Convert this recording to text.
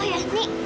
oh ya nek